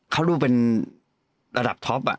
เขาดูเป็นระดับท็อปอ่ะ